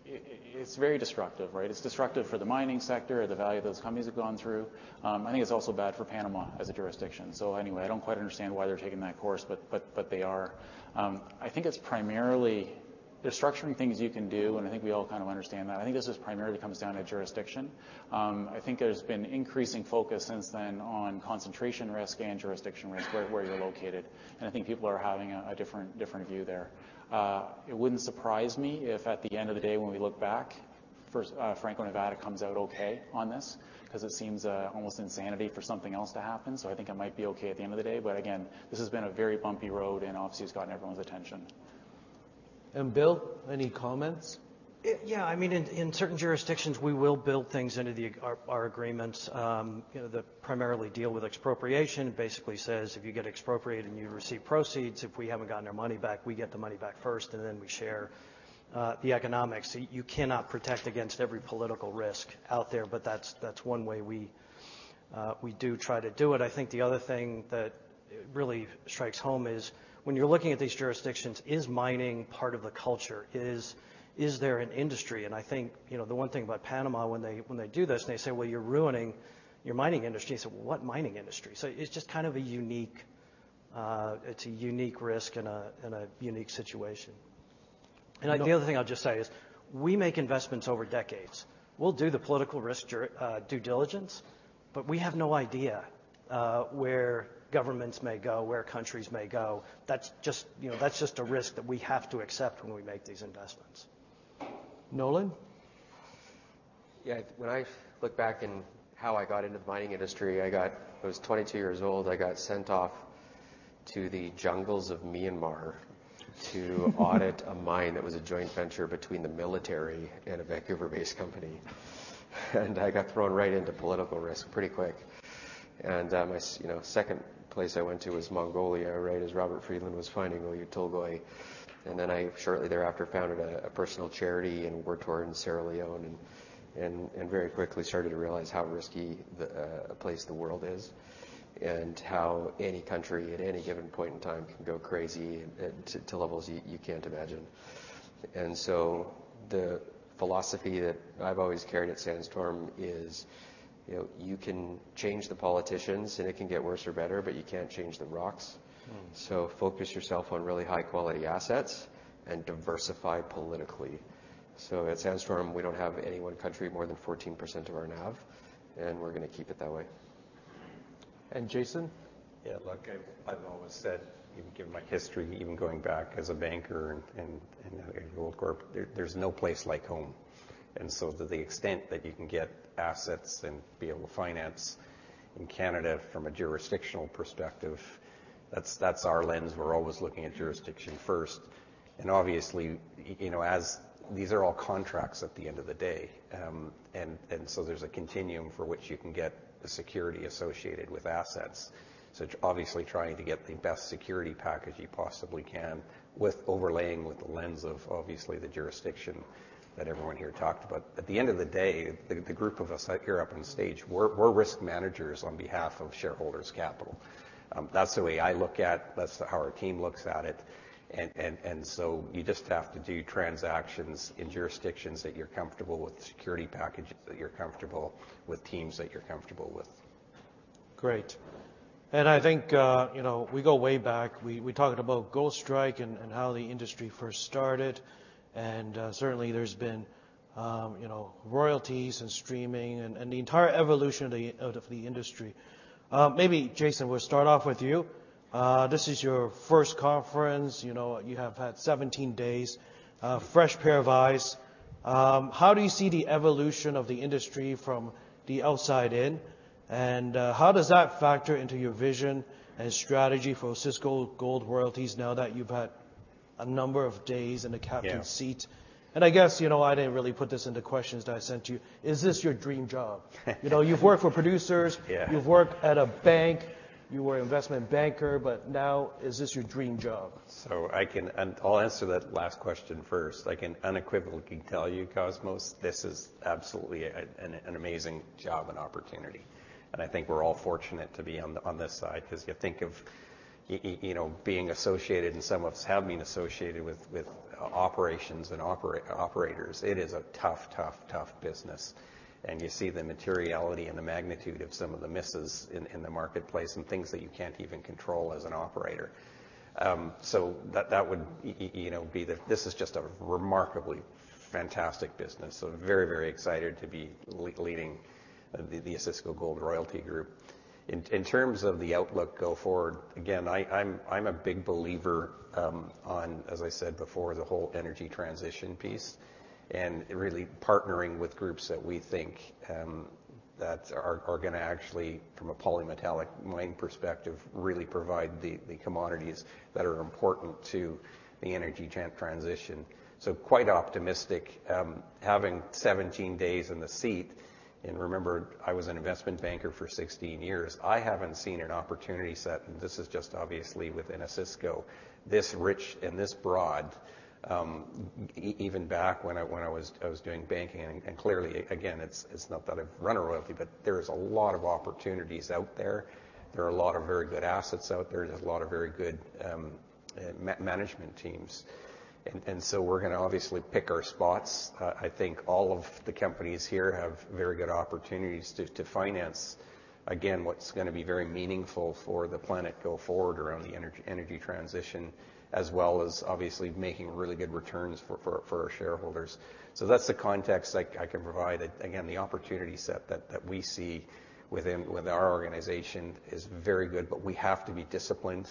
it's very destructive, right? It's destructive for the mining sector, the value those companies have gone through. I think it's also bad for Panama as a jurisdiction. So anyway, I don't quite understand why they're taking that course, but they are. I think it's primarily... There's structuring things you can do, and I think we all kind of understand that. I think this just primarily comes down to jurisdiction. I think there's been increasing focus since then on concentration risk and jurisdiction risk where you're located, and I think people are having a different view there. It wouldn't surprise me if at the end of the day, first, Franco-Nevada comes out okay on this, because it seems almost insanity for something else to happen. So I think I might be okay at the end of the day, but again, this has been a very bumpy road, and obviously, it's gotten everyone's attention. Bill, any comments? Yeah, I mean, in certain jurisdictions, we will build things into our agreements, you know, that primarily deal with expropriation. Basically says, if you get expropriated and you receive proceeds, if we haven't gotten our money back, we get the money back first, and then we share the economics. You cannot protect against every political risk out there, but that's one way we do try to do it. I think the other thing that really strikes home is when you're looking at these jurisdictions, is mining part of the culture? Is there an industry? And I think, you know, the one thing about Panama, when they do this, and they say, "Well, you're ruining your mining industry," you say, "What mining industry?" So it's just kind of a unique. It's a unique risk and a unique situation. And- The other thing I'll just say is, we make investments over decades. We'll do the political risk due diligence, but we have no idea, where governments may go, where countries may go. That's just, you know, that's just a risk that we have to accept when we make these investments. Nolan? Yeah. When I look back in how I got into the mining industry, I was 22 years old, I got sent off to the jungles of Myanmar to audit a mine that was a joint venture between the military and a Vancouver-based company. And I got thrown right into political risk pretty quick. And, my, you know, second place I went to was Mongolia, right as Robert Friedland was finding Oyu Tolgoi. And then I, shortly thereafter, founded a personal charity and worked over in Sierra Leone, and very quickly started to realize how risky the place the world is, and how any country at any given point in time can go crazy, to levels you can't imagine. And so the philosophy that I've always carried at Sandstorm is, you know, you can change the politicians, and it can get worse or better, but you can't change the rocks. Mm. So focus yourself on really high-quality assets and diversify politically. So at Sandstorm, we don't have any one country more than 14% of our NAV, and we're gonna keep it that way. And Jason? Yeah, look, I've always said, even given my history, even going back as a banker and at Goldcorp, there's no place like home. So to the extent that you can get assets and be able to finance in Canada from a jurisdictional perspective, that's our lens. We're always looking at jurisdiction first. And obviously, you know, as these are all contracts at the end of the day, and so there's a continuum for which you can get the security associated with assets. So obviously, trying to get the best security package you possibly can, with overlaying with the lens of obviously the jurisdiction that everyone here talked about. At the end of the day, the group of us out here up on stage, we're risk managers on behalf of shareholders' capital. That's the way I look at, that's how our team looks at it. So you just have to do transactions in jurisdictions that you're comfortable with, the security packages that you're comfortable with, teams that you're comfortable with. Great. And I think, you know, we go way back. We talked about Goldstrike and how the industry first started. And certainly, there's been, you know, royalties and streaming and the entire evolution of the industry. Maybe Jason, we'll start off with you. This is your first conference. You know, you have had 17 days, a fresh pair of eyes. How do you see the evolution of the industry from the outside in, and how does that factor into your vision and strategy for Osisko Gold Royalties now that you've had a number of days in the captain's seat? Yeah. I guess, you know, I didn't really put this in the questions that I sent you: Is this your dream job? You know, you've worked for producers- Yeah. You've worked at a bank, you were an investment banker, but now is this your dream job? And I'll answer that last question first. I can unequivocally tell you, Cosmos, this is absolutely an amazing job and opportunity, and I think we're all fortunate to be on this side. Because you think of you know, being associated, and some of us have been associated with operations and operators, it is a tough, tough, tough business. And you see the materiality and the magnitude of some of the misses in the marketplace and things that you can't even control as an operator. So that would, you know, be the... This is just a remarkably fantastic business, so very, very excited to be leading the Osisko Gold Royalties. In terms of the outlook go forward, again, I'm a big believer, as I said before, on the whole energy transition piece and really partnering with groups that we think that are gonna actually, from a polymetallic mining perspective, really provide the commodities that are important to the energy transition. So quite optimistic. Having 17 days in the seat, and remember, I was an investment banker for 16 years, I haven't seen an opportunity set, and this is just obviously within Osisko, this rich and this broad, even back when I was doing banking. And clearly, again, it's not that I've run a royalty, but there is a lot of opportunities out there. There are a lot of very good assets out there. There's a lot of very good management teams. So we're gonna obviously pick our spots. I think all of the companies here have very good opportunities to finance, again, what's gonna be very meaningful for the planet going forward around the energy transition, as well as obviously making really good returns for our shareholders. So that's the context I can provide. Again, the opportunity set that we see within our organization is very good, but we have to be disciplined.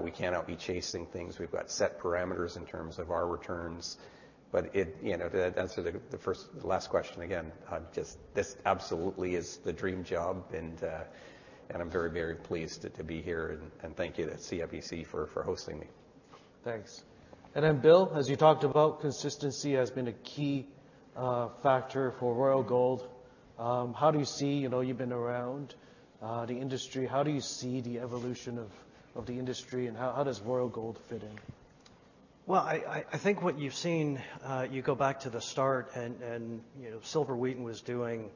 We cannot be chasing things. We've got set parameters in terms of our returns. But it... You know, to answer the last question, again, I'm just—this absolutely is the dream job, and I'm very, very pleased to be here, and thank you to CIBC for hosting me.... Thanks. And then Bill, as you talked about, consistency has been a key factor for Royal Gold. How do you see, you know, you've been around the industry, how do you see the evolution of the industry, and how does Royal Gold fit in? Well, I think what you've seen, you go back to the start and, you know, Silver Wheaton was doing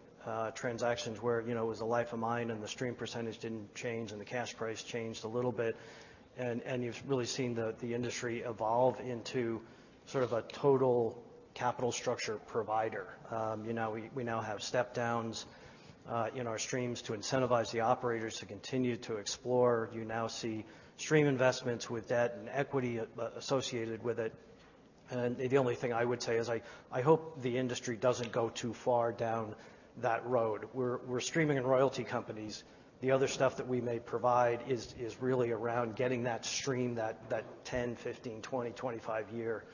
transactions where, you know, it was a life of mine, and the stream percentage didn't change, and the cash price changed a little bit. And you've really seen the industry evolve into sort of a total capital structure provider. You know, we now have step downs in our streams to incentivize the operators to continue to explore. You now see stream investments with debt and equity associated with it. And the only thing I would say is I hope the industry doesn't go too far down that road. We're streaming and royalty companies. The other stuff that we may provide is really around getting that stream, that 10, 15, 20, 25 year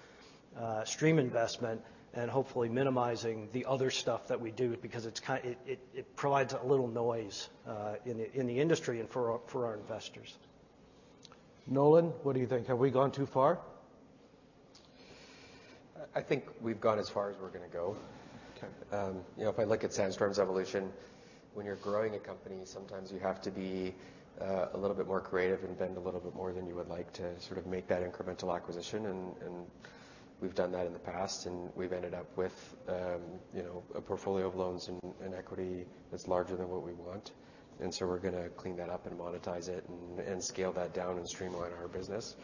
stream investment and hopefully minimizing the other stuff that we do because it provides a little noise in the industry and for our investors. Nolan, what do you think? Have we gone too far? I think we've gone as far as we're gonna go. Okay. You know, if I look at Sandstorm's evolution, when you're growing a company, sometimes you have to be a little bit more creative and bend a little bit more than you would like to sort of make that incremental acquisition. And we've done that in the past, and we've ended up with, you know, a portfolio of loans and equity that's larger than what we want. And so we're gonna clean that up and monetize it and scale that down and streamline our business.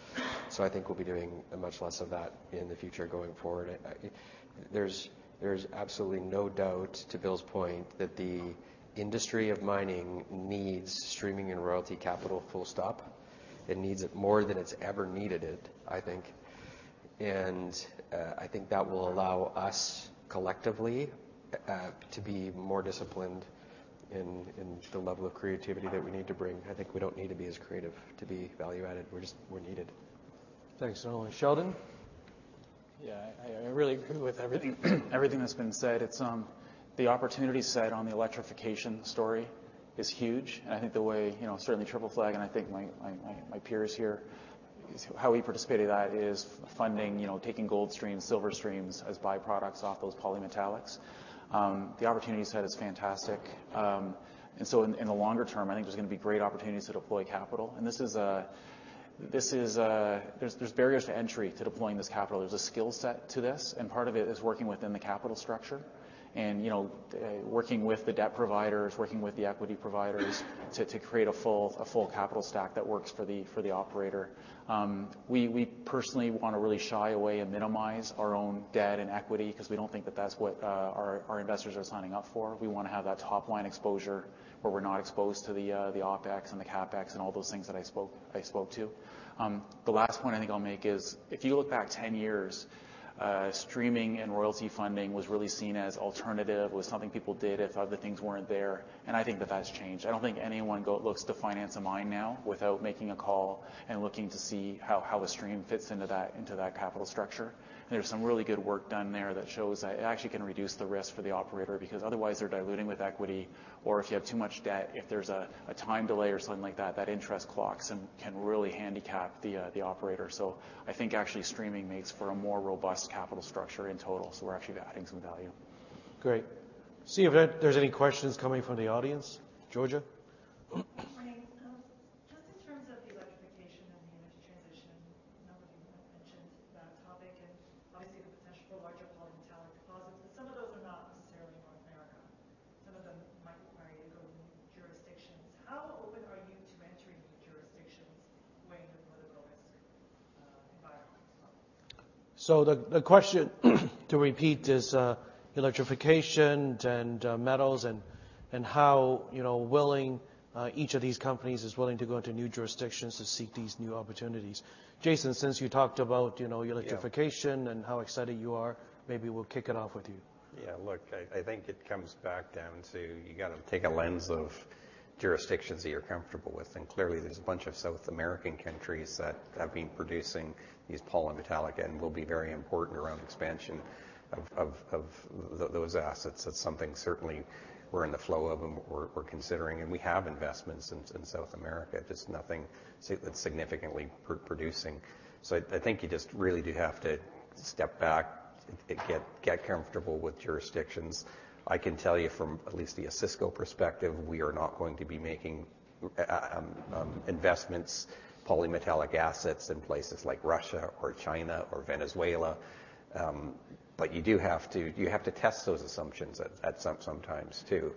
So I think we'll be doing much less of that in the future going forward. There's absolutely no doubt, to Bill's point, that the industry of mining needs streaming and royalty capital, full stop. It needs it more than it's ever needed it, I think. I think that will allow us, collectively, to be more disciplined in the level of creativity that we need to bring. I think we don't need to be as creative to be value-added. We're just... We're needed. Thanks, Nolan. Sheldon? Yeah, I really agree with everything that's been said. It's... The opportunity set on the electrification story is huge, and I think the way, you know, certainly Triple Flag, and I think my peers here, is how we participate in that is funding, you know, taking gold streams, silver streams as byproducts off those polymetallics. The opportunity set is fantastic. And so in the longer term, I think there's gonna be great opportunities to deploy capital. And this is a... There's barriers to entry to deploying this capital. There's a skill set to this, and part of it is working within the capital structure and, you know, working with the debt providers, working with the equity providers, to create a full capital stack that works for the operator. We, we personally wanna really shy away and minimize our own debt and equity 'cause we don't think that that's what our, our investors are signing up for. We wanna have that top-line exposure, where we're not exposed to the OpEx and the CapEx and all those things that I spoke, I spoke to. The last point I think I'll make is, if you look back 10 years, streaming and royalty funding was really seen as alternative, it was something people did if other things weren't there, and I think that that's changed. I don't think anyone looks to finance a mine now without making a call and looking to see how, how a stream fits into that, into that capital structure. go to new jurisdictions. How open are you to entering new jurisdictions weighing the political risk, environment as well? So the question, to repeat, is electrification and metals and how, you know, willing each of these companies is willing to go into new jurisdictions to seek these new opportunities. Jason, since you talked about, you know, electrification- Yeah... and how excited you are, maybe we'll kick it off with you. Yeah, look, I think it comes back down to you got to take a lens of jurisdictions that you're comfortable with. And clearly, there's a bunch of South American countries that have been producing these polymetallic and will be very important around expansion of those assets. That's something certainly we're in the flow of and we're considering, and we have investments in South America, just nothing that's significantly producing. So I think you just really do have to step back and get comfortable with jurisdictions. I can tell you from at least the Osisko perspective, we are not going to be making investments, polymetallic assets in places like Russia or China or Venezuela. But you do have to... You have to test those assumptions at some times too.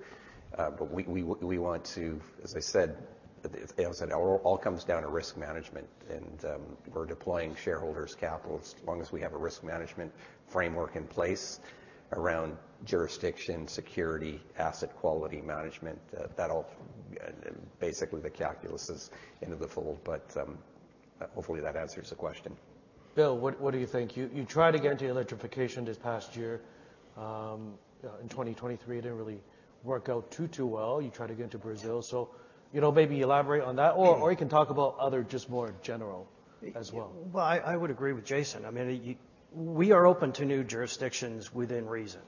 But we want to, as I said, as Dale said, it all comes down to risk management, and we're deploying shareholders' capital. As long as we have a risk management framework in place around jurisdiction, security, asset quality management, that all basically the calculus is into the fold. But hopefully that answers the question. Bill, what do you think? You tried to get into electrification this past year. In 2023, it didn't really work out too well. You tried to get into Brazil, so, you know, maybe elaborate on that, or you can talk about other just more general as well. Well, I would agree with Jason. I mean, you, we are open to new jurisdictions within reason.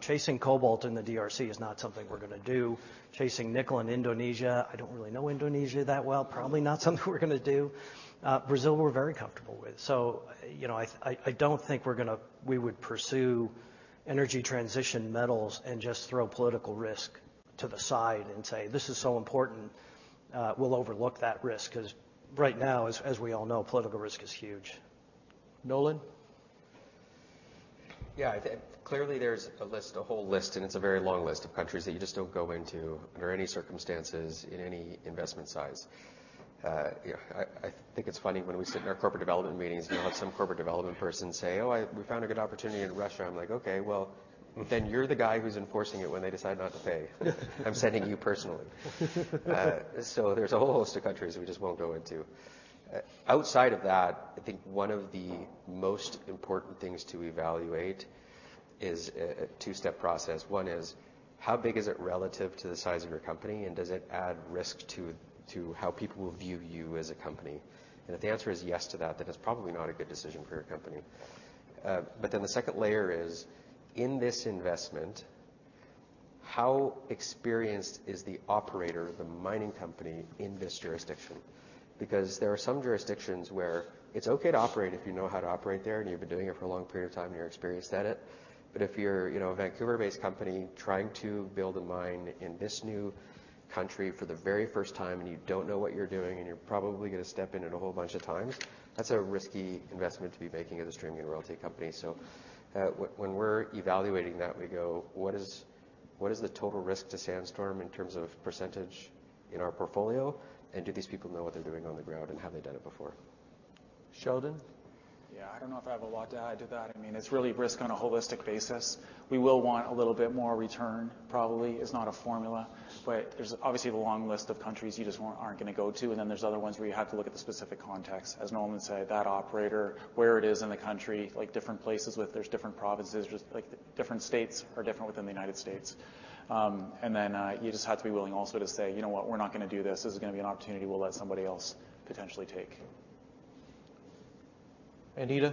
Chasing cobalt in the DRC is not something we're gonna do. Chasing nickel in Indonesia, I don't really know Indonesia that well, probably not something we're gonna do. Brazil, we're very comfortable with. So, you know, I don't think we're gonna... We would pursue energy transition metals and just throw political risk to the side and say, "This is so important, we'll overlook that risk," 'cause right now, as we all know, political risk is huge. Nolan? Yeah, clearly, there's a list, a whole list, and it's a very long list of countries that you just don't go into under any circumstances, in any investment size. You know, I think it's funny when we sit in our corporate development meetings, and we'll have some corporate development person say, "Oh, we found a good opportunity in Russia. " I'm like: Okay, well, then you're the guy who's enforcing it when they decide not to pay. I'm sending you personally. So there's a whole list of countries we just won't go into. Outside of that, I think one of the most important things to evaluate is a two-step process. One is: How big is it relative to the size of your company, and does it add risk to how people will view you as a company? If the answer is yes to that, then it's probably not a good decision for your company. But then the second layer is: In this investment, how experienced is the operator, the mining company, in this jurisdiction? Because there are some jurisdictions where it's okay to operate if you know how to operate there, and you've been doing it for a long period of time, and you're experienced at it. If you're, you know, a Vancouver-based company trying to build a mine in this new country for the very first time, and you don't know what you're doing, and you're probably gonna step in it a whole bunch of times, that's a risky investment to be making as a streaming and royalty company. When we're evaluating that, we go: What is, what is the total risk to Sandstorm in terms of percentage in our portfolio? And do these people know what they're doing on the ground, and have they done it before? Sheldon? Yeah. I don't know if I have a lot to add to that. I mean, it's really risk on a holistic basis. We will want a little bit more return, probably. It's not a formula, but there's obviously a long list of countries you just aren't gonna go to, and then there's other ones where you have to look at the specific context. As Nolan said, that operator, where it is in the country, like different places with... there's different provinces, just like different states are different within the United States. And then, you just have to be willing also to say, "You know what? We're not gonna do this. This is gonna be an opportunity we'll let somebody else potentially take. Anita?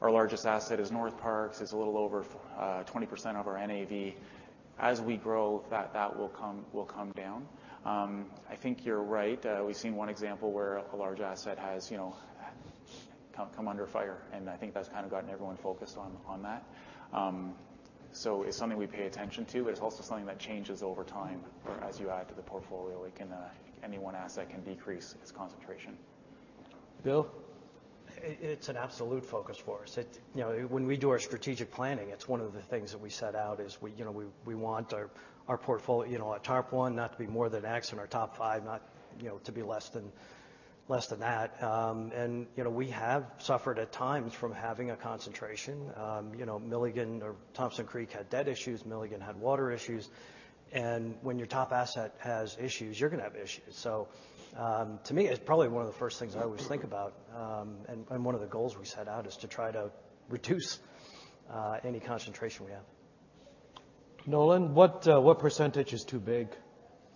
our largest asset is Northparkes, it's a little over 20% of our NAV. As we grow, that will come down. I think you're right. We've seen one example where a large asset has, you know, come under fire, and I think that's kind of gotten everyone focused on that. So it's something we pay attention to, but it's also something that changes over time as you add to the portfolio. It can... any one asset can decrease its concentration. Bill? It's an absolute focus for us. You know, when we do our strategic planning, it's one of the things that we set out is we you know we want our portfolio you know our top one not to be more than X and our top five not you know to be less than that. And you know we have suffered at times from having a concentration. You know Milligan or Thompson Creek had debt issues, Milligan had water issues, and when your top asset has issues, you're gonna have issues. So to me it's probably one of the first things I always think about and one of the goals we set out is to try to reduce any concentration we have. Nolan, what, what percentage is too big,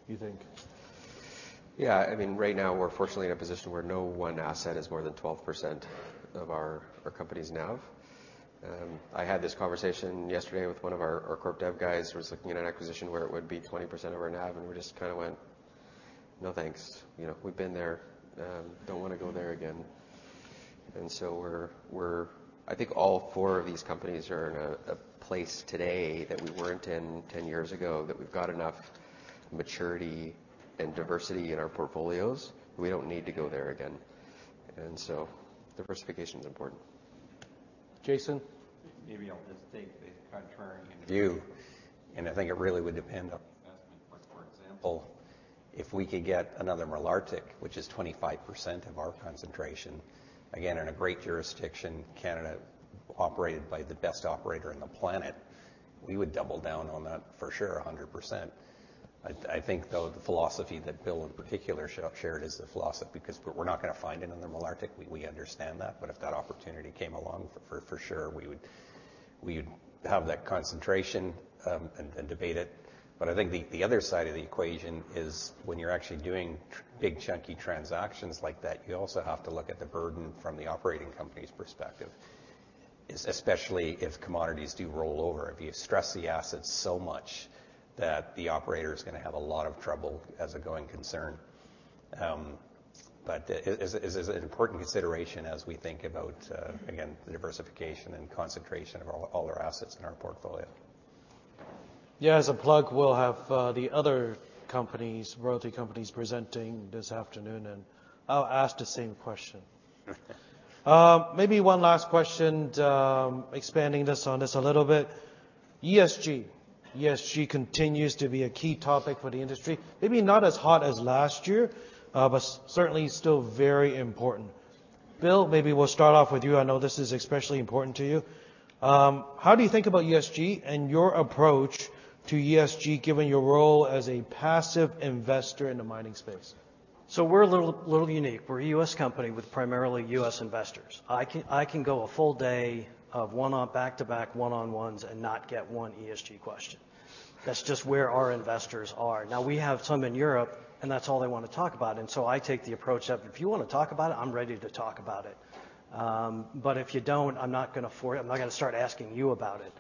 you think? Yeah, I mean, right now, we're fortunately in a position where no one asset is more than 12% of our company's NAV. I had this conversation yesterday with one of our corp dev guys, who was looking at an acquisition where it would be 20% of our NAV, and we just kinda went: "No, thanks." You know, we've been there, don't wanna go there again. And so we're... I think all four of these companies are in a place today that we weren't in 10 years ago, that we've got enough maturity and diversity in our portfolios. We don't need to go there again, and so diversification is important. Jason? Maybe I'll just take the contrary view, and I think it really would depend on the investment. But for example, if we could get another Malartic, which is 25% of our concentration, again, in a great jurisdiction, Canada, operated by the best operator on the planet, we would double down on that for sure, 100%. I think, though, the philosophy that Bill, in particular, shared is the philosophy, because we're not gonna find another Malartic. We understand that. But if that opportunity came along, for sure, we would have that concentration, and debate it. But I think the other side of the equation is when you're actually doing big, chunky transactions like that, you also have to look at the burden from the operating company's perspective, especially if commodities do roll over. If you stress the assets so much that the operator is gonna have a lot of trouble as a going concern. But it is an important consideration as we think about, again, the diversification and concentration of all our assets in our portfolio. Yeah, as a plug, we'll have the other companies, royalty companies, presenting this afternoon, and I'll ask the same question. Maybe one last question, expanding this on this a little bit. ESG. ESG continues to be a key topic for the industry. Maybe not as hot as last year, but certainly still very important. Bill, maybe we'll start off with you. I know this is especially important to you. How do you think about ESG and your approach to ESG, given your role as a passive investor in the mining space? So we're a little, little unique. We're a U.S. company with primarily U.S. investors. I can go a full day of one-on-one... back-to-back one-on-ones and not get one ESG question. That's just where our investors are. Now, we have some in Europe, and that's all they want to talk about, and so I take the approach of, if you wanna talk about it, I'm ready to talk about it. But if you don't, I'm not gonna force it. I'm not gonna start asking you about it.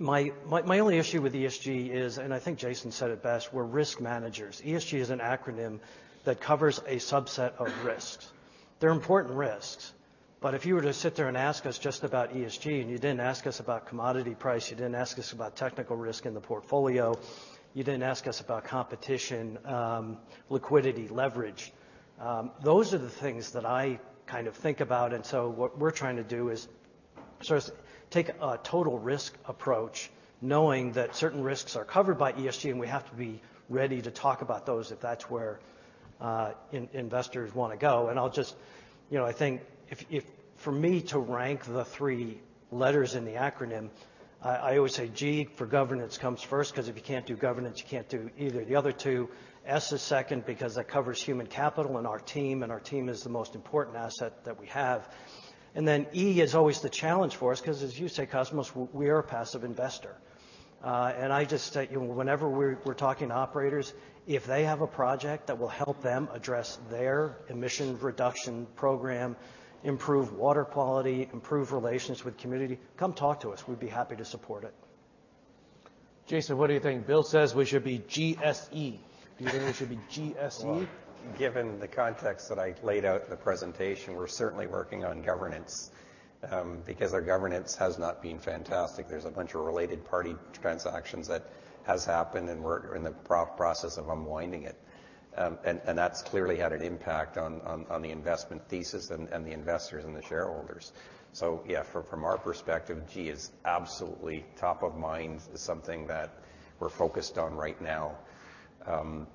My only issue with ESG is, and I think Jason said it best, we're risk managers. ESG is an acronym that covers a subset of risks. They're important risks, but if you were to sit there and ask us just about ESG, and you didn't ask us about commodity price, you didn't ask us about technical risk in the portfolio, you didn't ask us about competition, liquidity, leverage, those are the things that I kind of think about. And so what we're trying to do is sort of take a total risk approach, knowing that certain risks are covered by ESG, and we have to be ready to talk about those if that's where investors wanna go. And I'll just... You know, I think if for me to rank the three letters in the acronym, I always say G for governance comes first, 'cause if you can't do governance, you can't do either of the other two. S is second because that covers human capital and our team, and our team is the most important asset that we have. And then E is always the challenge for us, 'cause as you say, Cosmos, we are a passive investor. And I just state, you know, whenever we're talking to operators, if they have a project that will help them address their emission reduction program, improve water quality, improve relations with community, come talk to us. We'd be happy to support it. Jason, what do you think? Bill says we should be GSE. Do you think we should be GSE? Well, given the context that I laid out in the presentation, we're certainly working on governance, because our governance has not been fantastic. There's a bunch of related party transactions that has happened, and we're in the process of unwinding it. And that's clearly had an impact on the investment thesis and the investors and the shareholders. So yeah, from our perspective, G is absolutely top of mind as something that we're focused on right now,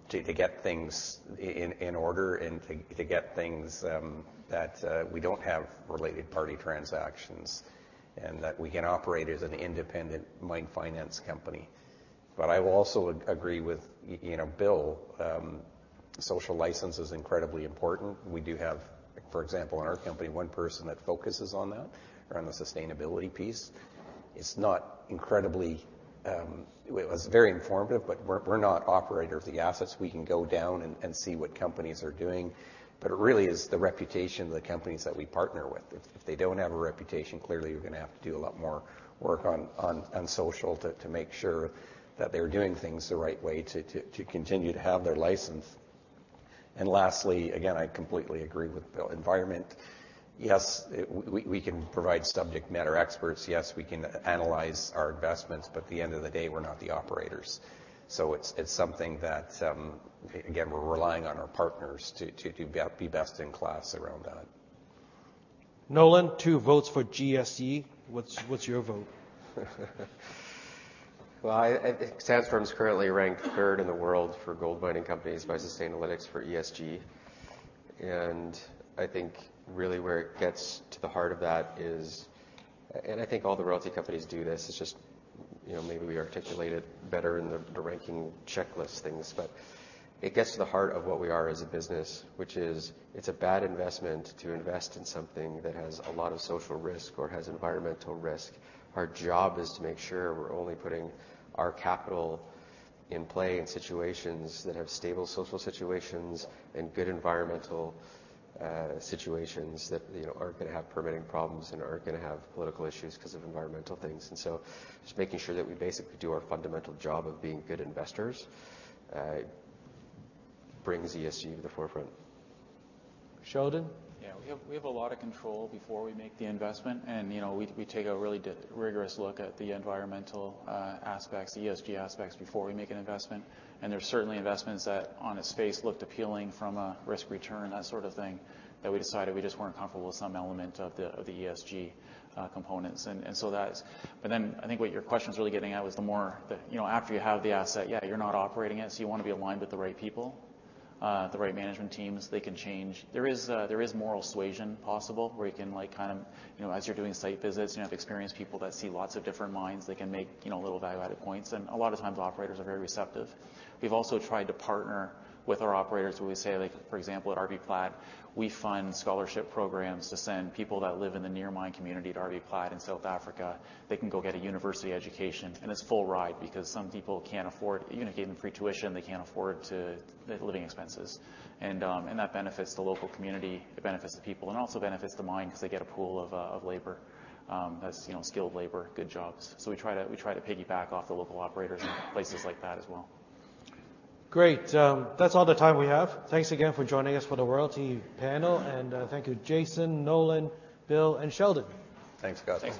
to get things in order and to get things that we don't have related party transactions and that we can operate as an independent mine finance company. But I will also agree with you know, Bill, social license is incredibly important. We do have, for example, in our company, one person that focuses on that, around the sustainability piece. It's not incredibly. It was very informative, but we're not operators of the assets. We can go down and see what companies are doing, but it really is the reputation of the companies that we partner with. If they don't have a reputation, clearly we're gonna have to do a lot more work on social to make sure that they're doing things the right way to continue to have their license. And lastly, again, I completely agree with Bill. Environment, yes, we can provide subject matter experts. Yes, we can analyze our investments, but at the end of the day, we're not the operators. So it's something that, again, we're relying on our partners to be best in class around that. Nolan, two votes for ESG. What's your vote? Well, Sandstorm's currently ranked third in the world for gold mining companies by Sustainalytics for ESG. And I think really where it gets to the heart of that is, and I think all the royalty companies do this, it's just, you know, maybe we articulate it better in the ranking checklist things. But it gets to the heart of what we are as a business, which is it's a bad investment to invest in something that has a lot of social risk or has environmental risk. Our job is to make sure we're only putting our capital in play in situations that have stable social situations and good environmental situations that, you know, aren't gonna have permitting problems and aren't gonna have political issues because of environmental things. And so just making sure that we basically do our fundamental job of being good investors brings ESG to the forefront. Sheldon? Yeah, we have, we have a lot of control before we make the investment, and, you know, we, we take a really rigorous look at the environmental aspects, the ESG aspects, before we make an investment. And there are certainly investments that, on its face, looked appealing from a risk-return, that sort of thing, that we decided we just weren't comfortable with some element of the, of the ESG components. And so that... But then I think what your question is really getting at was the more... The, you know, after you have the asset, yeah, you're not operating it, so you wanna be aligned with the right people, the right management teams. They can change. There is moral suasion possible, where you can, like, kind of, you know, as you're doing site visits, you have experienced people that see lots of different mines. They can make, you know, little value-added points, and a lot of times operators are very receptive. We've also tried to partner with our operators, where we say, like, for example, at RB Plat, we fund scholarship programs to send people that live in the near mine community at RB Plat in South Africa. They can go get a university education, and it's full ride because some people can't afford... You know, given free tuition, they can't afford to, the living expenses. And that benefits the local community, it benefits the people, and also benefits the mine because they get a pool of labor that's, you know, skilled labor, good jobs. So we try to piggyback off the local operators in places like that as well. Great. That's all the time we have. Thanks again for joining us for the royalty panel, and thank you, Jason, Nolan, Bill, and Sheldon. Thanks, Cosmos.